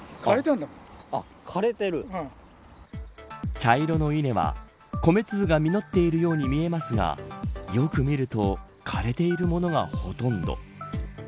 茶色の稲は米粒が実っているように見えますがよく見ると枯れているものがほとんど。